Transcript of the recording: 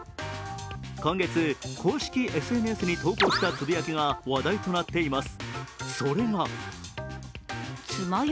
今月、公式ＳＮＳに投稿したつぶやきが話題となっています。